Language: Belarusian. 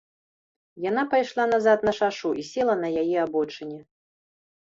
Яна пайшла назад на шашу і села на яе абочыне.